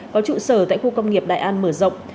có trụ sở tại khu công nghiệp đại an mở rộng